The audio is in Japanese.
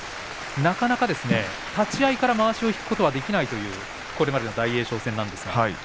なかなか立ち合いからまわしを引くとはできないというこれまでの大栄翔戦なんですが。